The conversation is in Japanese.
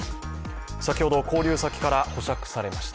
先ほど勾留先から保釈されました。